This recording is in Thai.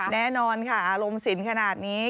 แน่นอนค่ะอารมณ์สินขนาดนี้